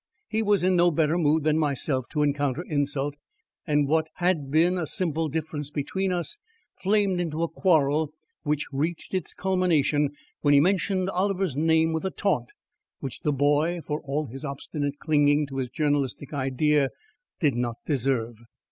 He was in no better mood than myself to encounter insult, and what had been a simple difference between us flamed into a quarrel which reached its culmination when he mentioned Oliver's name with a taunt, which the boy, for all his obstinate clinging to his journalistic idea, did not deserve.